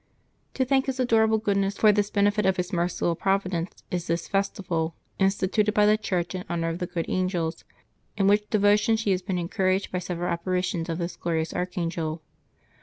To thank His adorable goodness for this benefit of His merciful providence is this festival in stituted by the Church in honor of the good angels, in which devotion she has been encouraged by several appari tions of this glorious archangel.